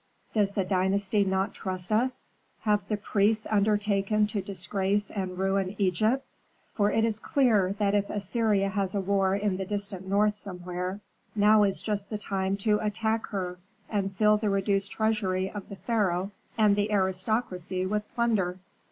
"Does the dynasty not trust us? Have the priests undertaken to disgrace and ruin Egypt? For it is clear that if Assyria has a war in the distant north somewhere, now is just the time to attack her and fill the reduced treasury of the pharaoh and the aristocracy with plunder."